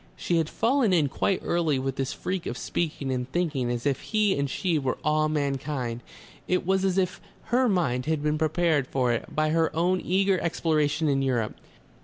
She had fallen in quite early with this freak of speaking and thinking as if he and she were all mankind. It was as if her mind had been prepared for it by her own eager exploration in Europe.